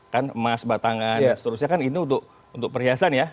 kan emas batangan dan seterusnya kan ini untuk perhiasan ya